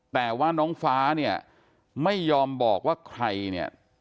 แต่ว่าน้องฟ้าเนี่ยไม่ยอมบอกว่าใครเนี่ย